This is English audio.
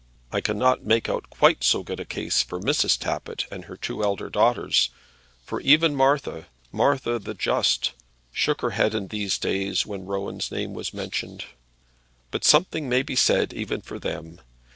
I cannot make out quite so good a case for Mrs. Tappitt and her two elder daughters; for even Martha, Martha the just, shook her head in these days when Rowan's name was mentioned; but something may be said even for them.